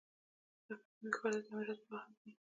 لکه د نوي ښار د تعمیراتو په برخو کې.